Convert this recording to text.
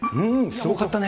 すごかったね。